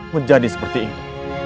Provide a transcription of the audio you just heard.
menjadi seperti ini